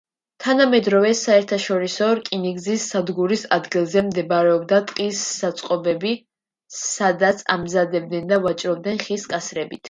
თანამედროვე საერთაშორისო რკინიგზის სადგურის ადგილზე მდებარეობდა ტყის საწყობები, სადაც ამზადებდნენ და ვაჭრობდნენ ხის კასრებით.